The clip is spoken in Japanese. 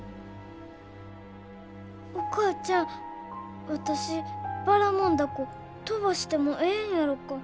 お母ちゃん私ばらもん凧飛ばしてもええんやろか？